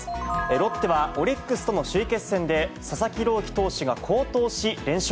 ロッテはオリックスとの首位決戦で、佐々木朗希投手が好投し連勝。